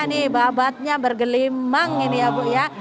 ini babatnya bergelimang ini ya bu ya